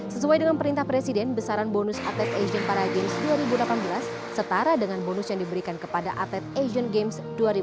sesuai dengan perintah presiden besaran bonus atlet asian paragames dua ribu delapan belas setara dengan bonus yang diberikan kepada atlet asian games dua ribu delapan belas